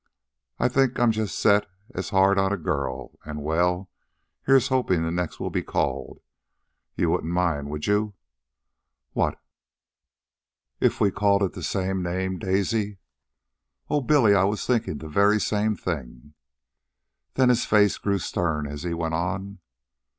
I think I'm set just as hard on a girl, an', well, here's hopin' the next will be called... you wouldn't mind, would you?" "What?" "If we called it the same name, Daisy?" "Oh, Billy! I was thinking the very same thing." Then his face grew stern as he went on.